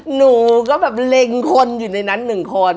หนูก็แบบเล็งคนอยู่ในนั้นหนึ่งคน